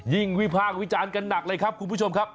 วิพากษ์วิจารณ์กันหนักเลยครับคุณผู้ชมครับ